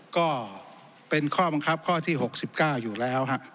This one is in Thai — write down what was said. ก็เป็นข้อบังคับข้อที่๖๙อยู่แล้ว